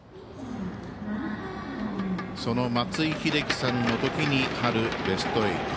その松井秀喜さんのときに春ベスト８。